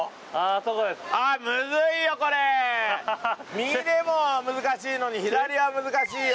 右でも難しいのに左は難しいよ。